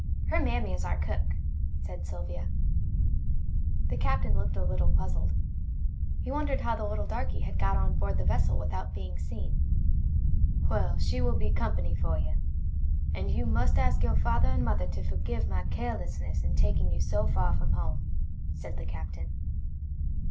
Her mammy is our cook," said Sylvia. The Captain looked a little puzzled. He wondered how the little darky had got on board the vessel without being seen. "Well, she will be company for you. And you must ask your father and mother to forgive my carelessness in taking you so far from home," said the Captain.